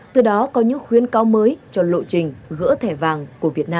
từ đó có những khuyến cáo mới cho lộ trình gỡ thẻ vàng của việt nam